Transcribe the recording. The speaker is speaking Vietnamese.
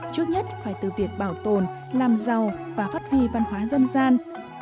trước nhất phải từ việc bảo tồn làm giàu và phát huy văn hóa dân gian